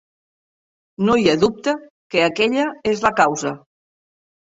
No hi ha dubte que aquella és la causa.